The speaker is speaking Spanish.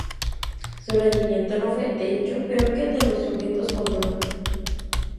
Su rendimiento no fue, de hecho, peor que el de los sujetos control.